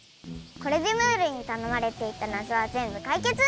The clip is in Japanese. これでムールにたのまれていたなぞはぜんぶかいけつ！